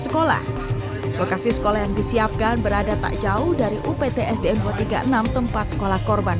sekolah lokasi sekolah yang disiapkan berada takjauh dari uptsdn dua ratus tiga puluh enam tempat sekolah korban